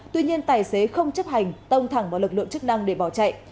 tuy nhiên tài xế không chấp hành tông thẳng vào lực lượng chức năng để bỏ chạy